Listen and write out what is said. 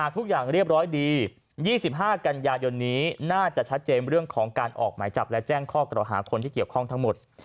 เรียบร้อยดี๒๕กันยายนนี้น่าจะชัดเจนเรื่องของการออกหมายจับและแจ้งข้อกล่าวหาคนที่เกี่ยวข้องทั้งหมด